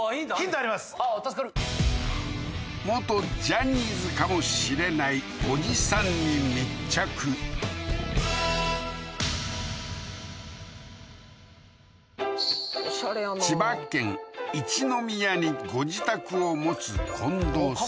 あー助かる元ジャニーズかもしれないおじさんに密着千葉県一宮にご自宅を持つ近藤さん